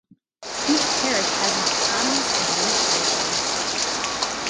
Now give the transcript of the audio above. Each parish has an autonomous administration.